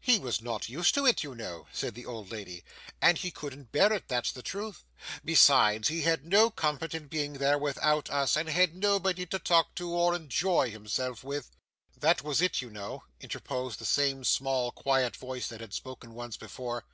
'He was not used to it, you know,' said the old lady, 'and he couldn't bear it, that's the truth. Besides he had no comfort in being there without us, and had nobody to talk to or enjoy himself with.' 'That was it, you know,' interposed the same small quiet voice that had spoken once before.